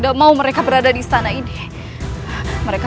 saya sulit menandatangani mereka